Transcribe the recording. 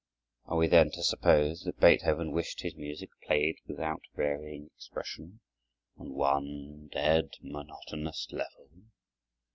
Are we then to suppose that Beethoven wished his music played without varying expression, on one dead monotonous level?